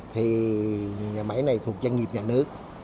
thì nhà máy này thuộc doanh nghiệp nhà nước